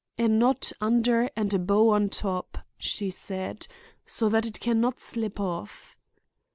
'A knot under and a bow on top,' she said, 'so that it can not slip off.